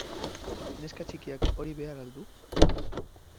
Neska txikiak hori behar al du?